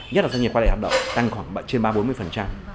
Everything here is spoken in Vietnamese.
nhất là doanh nghiệp qua đại hoạt động tăng khoảng trên ba bốn mươi